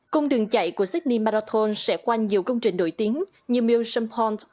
công đường chạy của sydney marathon sẽ quanh nhiều công trình nổi tiếng như mission point